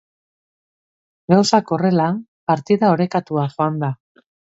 Gauzak horrela, partida orekatua joan da.